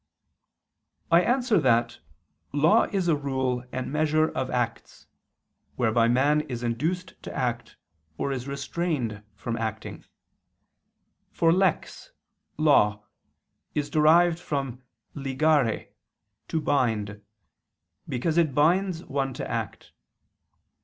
I answer that, Law is a rule and measure of acts, whereby man is induced to act or is restrained from acting: for lex (law) is derived from ligare (to bind), because it binds one to act.